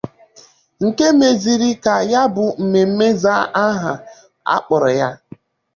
nke mezịrị ka ya bụ mmemme zaa aha a kpọrọ ya.